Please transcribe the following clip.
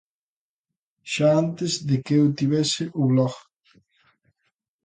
Xa antes de que eu tivese o blog.